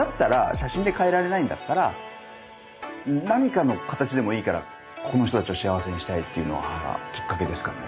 写真で変えられないんだったら何かの形でもいいからこの人たちを幸せにしたいっていうのがきっかけですかね。